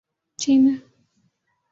چینّے